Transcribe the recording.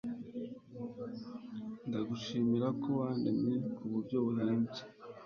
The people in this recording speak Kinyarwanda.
ndagushimira ko wandemye ku buryo buhimbye